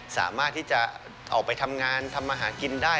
สามารถที่จะออกไปทำงานทำมาหากินได้